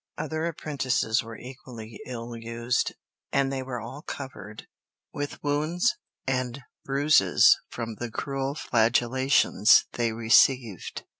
Other apprentices were equally ill used, and they were all covered with wounds and bruises from the cruel flagellations they received.